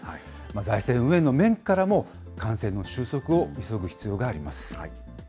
財政運営の面からも感染の収束を急ぐ必要があります。